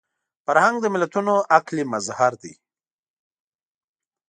فرهنګ د ملتونو عقل مظهر دی